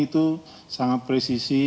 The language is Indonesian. itu sangat presisi